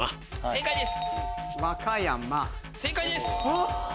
正解です。